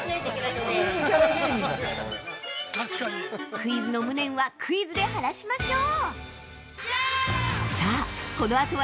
◆クイズの無念はクイズで晴らしましょう。